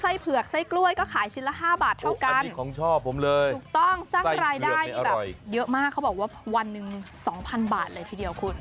ใช่ถูกต้องสร้างรายได้มีเยอะมากเขาบอกว่าวันนึง๒๐๐๐บาทเลยทีเดียวคุณ